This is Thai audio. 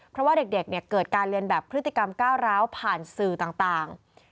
เพราะว่าเด็กเกิดการเรียนแบบพฤติกรรมก้าวร้าวผ่านสื่อต่าง